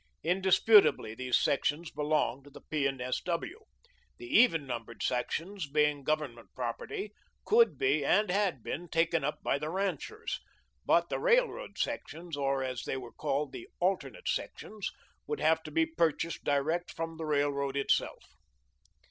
Indisputably, these sections belonged to the P. and S. W. The even numbered sections being government property could be and had been taken up by the ranchers, but the railroad sections, or, as they were called, the "alternate sections," would have to be purchased direct from the railroad itself.